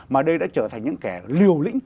mà đây đã trở thành những kẻ liều lĩnh